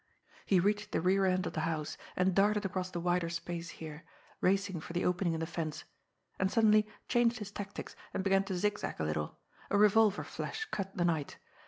He reached the rear end of the house, and darted across the wider space here, racing for the opening in the fence and suddenly changed his tactics, and began to zigzag a little. A revolver flash cut the night.